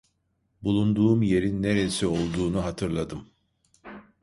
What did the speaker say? Bulunduğum yerin neresi olduğunu hatırladım.